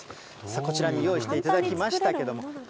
こちらに用意していただきましたけれども。